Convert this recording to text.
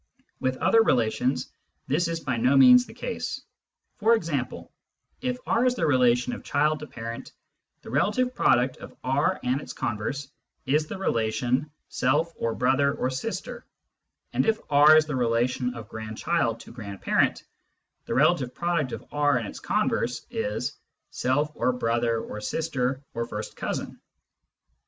With other relations, this is by no means the case ; for example, if R is the relation of child to parent, the relative product of R and its converse is the relation " self or brother or sister," and if R is the relation of grandchild to grandparent, the relative product of R and its converse is " self or brother or sister or first cousin."